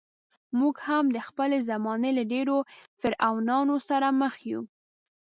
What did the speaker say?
موږ هم د خپلې زمانې له ډېرو فرعونانو سره مخ یو.